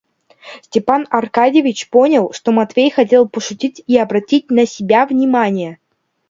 Степан Аркадьич понял, что Матвей хотел пошутить и обратить на себя внимание.